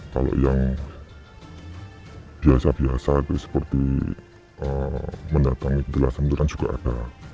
kalau yang biasa biasa seperti mendatangi petilasan juga ada